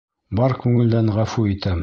Бар күңелдән ғәфү итәм.